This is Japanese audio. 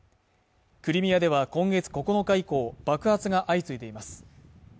クリミアでは今月９日以降爆発が相次いでいます